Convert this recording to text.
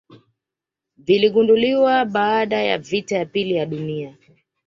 viligunduliwa baada ya vita ya pili ya duni